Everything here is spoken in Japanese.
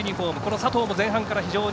佐藤も前半から非常に。